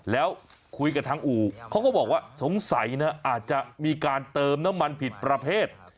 แล้วคุยกับทางอู่เขาก็บอกว่าสงสัยนะอาจจะมีการเติมน้ำมันผิดประเภท